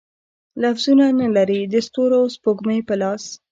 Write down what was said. لفظونه، نه لري د ستورو او سپوږمۍ په لاس